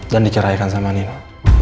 dan dikerahkan sama nino